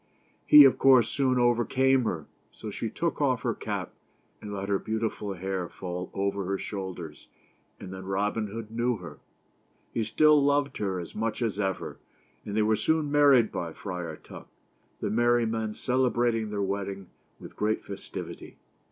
He, of course, soon over came her ; so she took off her cap, and let her beau tiful hair fall over her shoulders, and then Rob in Hood knew her. He still loved her as much as ever, and they were soon married by Friar Tuck, the merry men celebrating their wedding with great festivity.